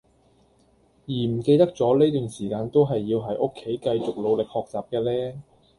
而唔記得咗呢段時間都係要喺屋企繼續努力學習嘅呢